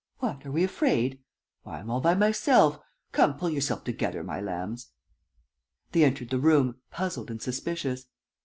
... What, are we afraid? Why, I'm all by myself! ... Come, pull yourselves together, my lambs!" They entered the room, puzzled and suspicious.